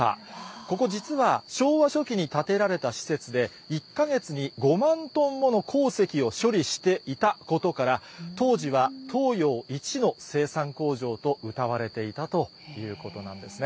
ここ、実は昭和初期に建てられた施設で、１か月に５万トンもの鉱石を処理していたことから、当時は東洋一の生産工場とうたわれていたということなんですね。